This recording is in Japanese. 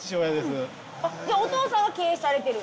じゃあお父さんが経営されてる？